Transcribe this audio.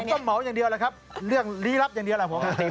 เรื่องหมออย่างเดียวแหละครับเรื่องลี้รับอย่างเดียวแหละครับผมครับ